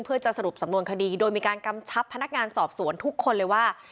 เพื่อจะสรุปสำนวนคดีโดยมีการกำชับพนักงานสอบสวนทุกคนเลยว่า